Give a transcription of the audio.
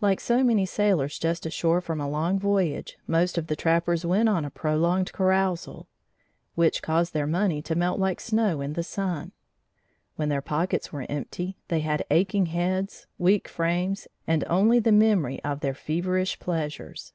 Like so many sailors just ashore from a long voyage, most of the trappers went on a prolonged carousal, which caused their money to melt like snow in the sun. When their pockets were empty, they had aching heads, weak frames and only the memory of their feverish pleasures.